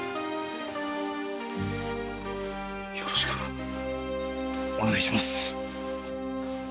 よろしくお願いします。